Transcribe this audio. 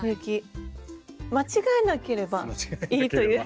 間違えなければいいという。